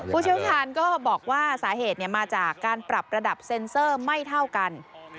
เชี่ยวชาญก็บอกว่าสาเหตุมาจากการปรับระดับเซ็นเซอร์ไม่เท่ากัน